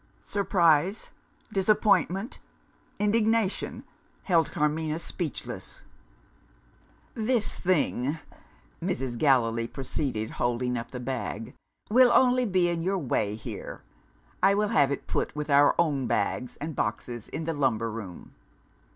Surprise, disappointment, indignation held Carmina speechless. "This thing," Mrs. Gallilee proceeded, holding up the bag, "will only be in your way here. I will have it put with our own bags and boxes, in the lumber room.